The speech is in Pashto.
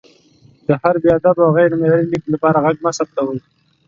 د هر بې ادبه او غیر معیاري لیک لپاره غږ مه ثبتوئ!